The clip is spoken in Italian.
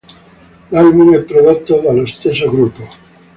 L'album è prodotto dallo stesso gruppo.